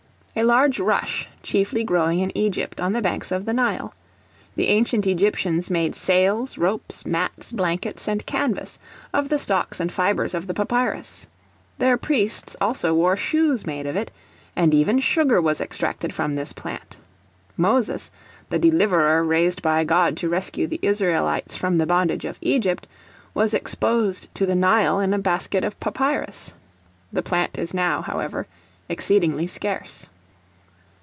A large rush, chiefly growing in Egypt, on the banks of the Nile. The ancient Egyptians made sails, ropes, mats, blankets, and canvas, of the stalks and fibres of the papyrus. Their priests also wore shoes made of it; and even sugar was extracted from this plant. Moses, the deliverer raised by God to rescue the Israelites from the bondage of Egypt, was exposed to the Nile in a basket of papyrus. The plant is now, however, exceedingly scarce.